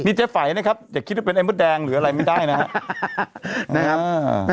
เจ๊ไฝนะครับอย่าคิดว่าเป็นไอ้มดแดงหรืออะไรไม่ได้นะครับ